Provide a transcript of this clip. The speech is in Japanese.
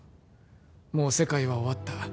もう世界は終わった。